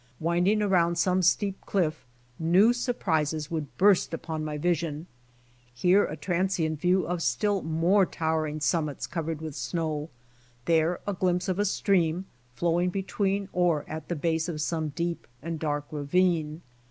Winding around some steep cliff new surprises would burst upon my vision, here a transient view of still more towering summits icovered with snow, there a glimpse of a stream flowing between or at the base of some deep and dark ravine.